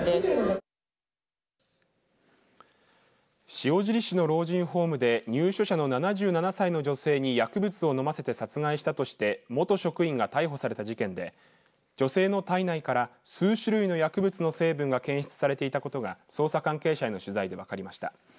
塩尻市の老人ホームで入所者の７７歳の女性に薬物を飲ませて殺害したとして元職員が逮捕された事件で女性の体内から数種類の薬物の成分が検出されていたことが捜査関係者への取材で分かりました。